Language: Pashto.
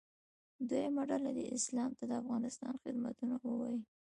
دویمه ډله دې اسلام ته د افغانستان خدمتونه ووایي.